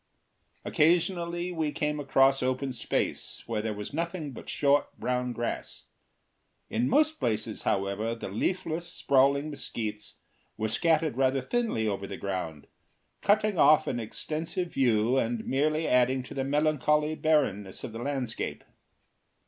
Occasionally we came across open space where there was nothing but short brown grass. In most places, however, the leafless, sprawling mesquites were scattered rather thinly over the ground, cutting off an extensive view and merely adding to the melancholy barrenness of the landscape.